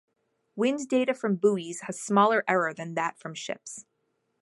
Wind data from buoys has smaller error than that from ships.